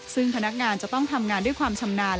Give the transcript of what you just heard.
ซึ่งพนักงานจะต้องทำงานด้วยความชำนาญ